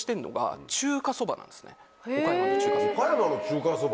岡山の中華そば？